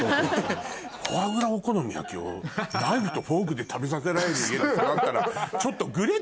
フォアグラお好み焼きをナイフとフォークで食べさせられる家で育ったらちょっと。